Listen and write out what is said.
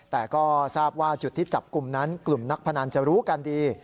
แต่ก็ทราบว่าจุดที่จับกลุ่มนั้นกลุ่มนักพนันจะรู้กันดี